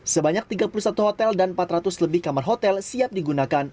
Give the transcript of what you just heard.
sebanyak tiga puluh satu hotel dan empat ratus lebih kamar hotel siap digunakan